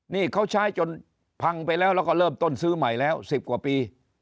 นี่เขาใช้จนพังไปแล้วแล้วก็เริ่มต้นซื้อใหม่แล้ว๑๐กว่าปี